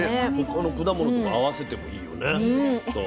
他の果物とか合わせてもいいよねきっと。